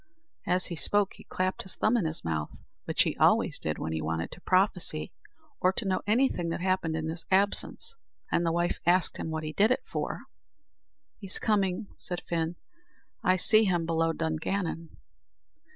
As he spoke, he clapped his thumb in his mouth, which he always did when he wanted to prophesy, or to know anything that happened in his absence; and the wife asked him what he did it for. "He's coming," said Fin; "I see him below Dungannon."